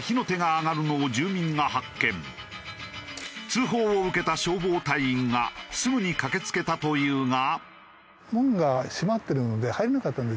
通報を受けた消防隊員がすぐに駆け付けたというが。